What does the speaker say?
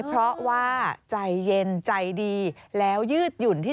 พูดเก่งช่างเจรจา